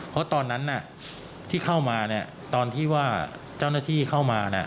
เพราะตอนนั้นที่เข้ามาตอนที่ว่าเจ้าหน้าที่เข้ามา